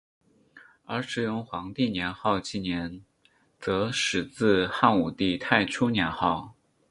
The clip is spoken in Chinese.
而使用皇帝年号纪年则始自汉武帝太初年号。